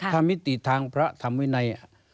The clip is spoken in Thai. ถ้ามิติทางพระธรรมวินัย